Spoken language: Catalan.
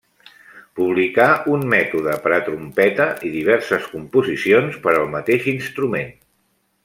Publicà un mètode per a trompeta i diverses composicions per al mateix instrument.